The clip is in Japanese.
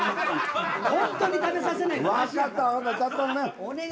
本当に食べさせない。